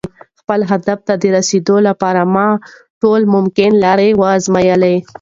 خپل هدف ته د رسېدو لپاره مې ټولې ممکنې لارې وازمویلې.